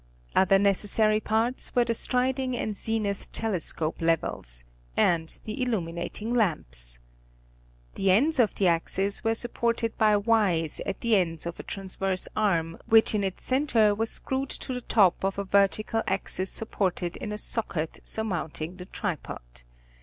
Other necessary parts were the striding and zenith telescope levels, and the illuminating lamps. The ends of the axis were supported by Ys at the ends of a transverse arm which in its centre was screwed to the top of a vertical axis supported in a socket surmounting the tripod.